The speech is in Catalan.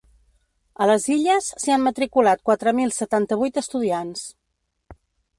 A les Illes, s’hi han matriculat quatre mil setanta-vuit estudiants.